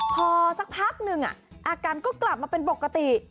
พอสักพักหนึ่งอาการก็กลับมาเป็นปกติ